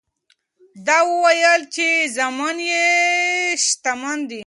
ده وویل چې زامن یې شتمن دي.